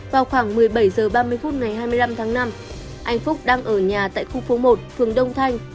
vào khoảng một mươi bảy h ba mươi phút ngày hai mươi năm tháng năm anh phúc đang ở nhà tại khu phố một phường đông thanh